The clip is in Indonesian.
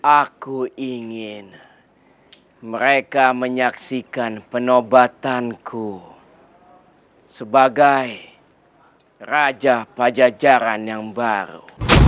aku ingin mereka menyaksikan penobatanku sebagai raja pajajaran yang baru